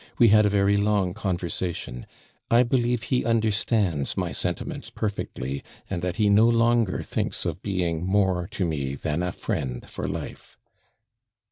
We had a very long conversation; I believe he understands my sentiments perfectly, and that he no longer thinks of being more to me than a friend for life.'